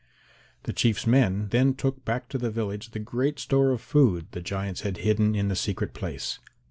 The Chief's men then took back to the village the great store of food the giants had hidden in the secret place.